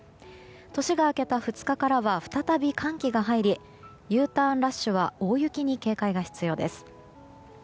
年が明けた２日からは再び寒気が入りＵターンラッシュは大雪に警戒が必要です。